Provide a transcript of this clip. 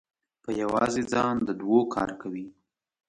په یوازې ځان د دوو کار کوي.